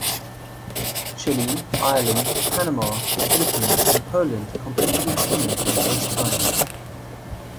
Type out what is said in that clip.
Chile, Ireland, Panama, the Philippines, and Poland competed in swimming for the first time.